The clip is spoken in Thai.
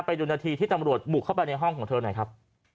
ไปดูนาทีที่ตำรวจบุกเข้าไปในห้องของเธอหน่อยครับ